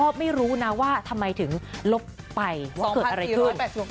ก็ไม่รู้นะว่าทำไมถึงลบไปว่าเกิดอะไรขึ้น